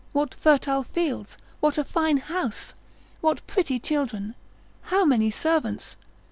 what fertile fields! what a fine house! what pretty children! how many servants!